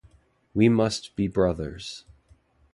We must be brothers.